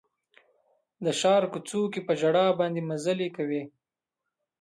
د ښار کوڅو کې په ژړا باندې مزلې کوي